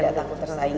tidak takut tersaingi